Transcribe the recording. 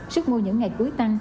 sức mua những ngày cuối tăng